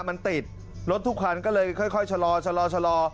มันติดรถทุกคันก็เลยค่อยค่อยชะลอชะลอชะลอ